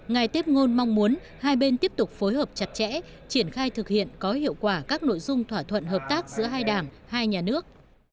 ngài tếp ngôn mong muốn hai bên tiếp tục phối hợp chặt chẽ triển khai thực hiện có hiệu quả các nội dung thỏa thuận hợp tác giữa hai đảng hai nhà nước